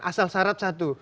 asal syarat satu